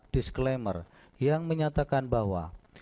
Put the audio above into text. disclaimer yang menyatakan bahwa